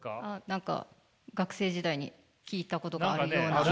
何か学生時代に聞いたことがあるような。